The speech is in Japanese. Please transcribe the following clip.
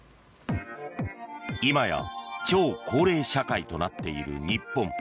今や超高齢社会となっている日本。